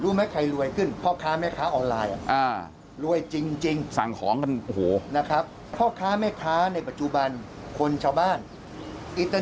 รู้ไหมใครรวยขึ้นเพราะข้าไม่ขาออนไลน์